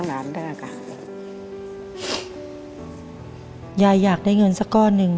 หญิงอยากได้เงินสักกรอดนึง